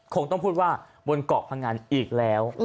คงต้องพูดว่าบนเกาะพงันอีกแล้ว